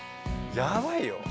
やばいよ。